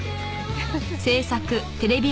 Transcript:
フフフ。